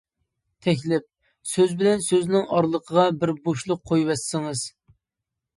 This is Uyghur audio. تەكلىپ: سۆز بىلەن سۆزنىڭ ئارىلىقىغا بىر بوشلۇق قويۇۋەتسىڭىز.